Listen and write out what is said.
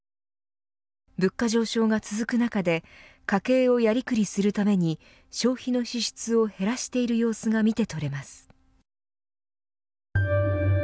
物価上昇が続く中で家計をやりくりするために消費の支出を減らしている様子が見て取れます。